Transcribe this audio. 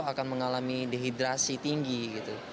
akan mengalami dehidrasi tinggi gitu